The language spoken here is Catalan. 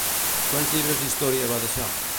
Quants llibres d'història va deixar?